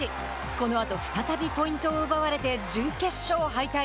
このあと再びポイントを奪われて準決勝敗退。